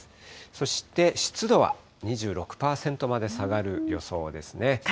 そして湿度は２６％まで下がる予想ですね。